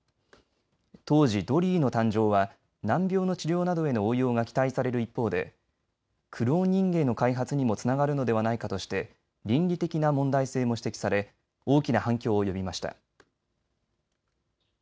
当時、ドリーの誕生は難病の治療などへの応用が期待される一方でクローン人間の開発にもつながるのではないかとして倫理的な問題性も指摘され大きな反響を呼びました。